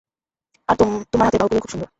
আর তোমার হাতের বাহুগুলো খুব সুন্দর।